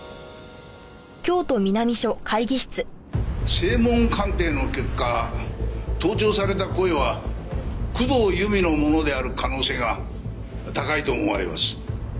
声紋鑑定の結果盗聴された声は工藤由美のものである可能性が高いと思われます。